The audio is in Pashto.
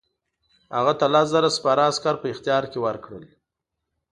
هغه ته لس زره سپاره عسکر په اختیار کې ورکړل.